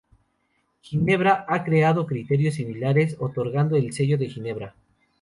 Ginebra ha creado criterios similares otorgando el Sello de Ginebra.